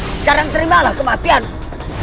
sekarang terimalah kematianmu